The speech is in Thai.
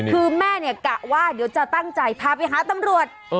คือแม่เนี่ยกะว่าเดี๋ยวจะตั้งใจพาไปหาตำรวจ